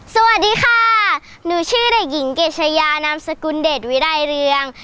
สวัสดีค่ะหนูชื่อเด็กหญิงเกชยานามสกุลเดชวิรัยเรือง